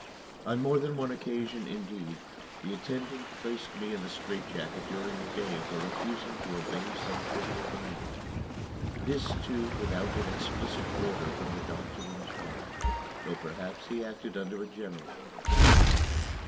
On more than one occasion, indeed, the attendant placed me in the strait jacket during the day for refusing to obey some trivial command. This, too, without an explicit order from the doctor in charge, though perhaps he acted under a general order.